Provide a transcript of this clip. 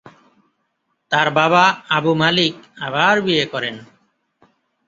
তার বাবা আবু মালিক আবার বিয়ে করেন।